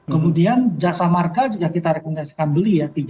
kemudian jasa marga juga kita rekomendasikan beli ya